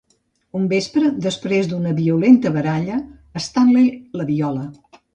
Un vespre, després d'una violenta baralla, Stanley la viola.